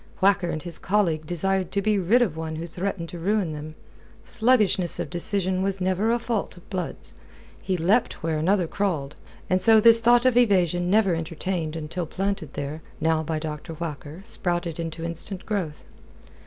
Whacker and his colleague desired to be rid of one who threatened to ruin them. Sluggishness of decision was never a fault of Blood's. He leapt where another crawled. And so this thought of evasion never entertained until planted there now by Dr. Whacker sprouted into instant growth.